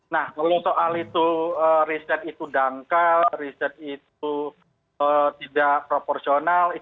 nah kalau soal itu riset itu dangkal riset itu tidak proporsional